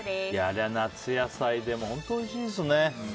あれは夏野菜で本当においしいですね。